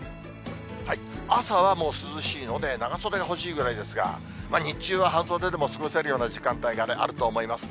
朝はもう涼しいので長袖が欲しいくらいですが、日中は半袖でも過ごせるような時間帯がね、あると思います。